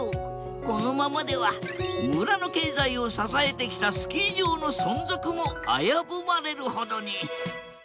このままでは村の経済を支えてきたスキー場の存続も危ぶまれるほどに。